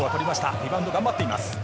リバウンド頑張っています。